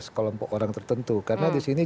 sekelompok orang tertentu karena disini